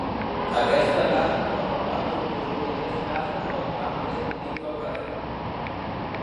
Aquesta casa forma part d'un conjunt de tres cases del tram més antic del carrer.